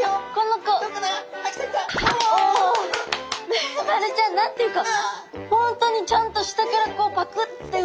メバルちゃん何て言うか本当にちゃんと下からパクッて。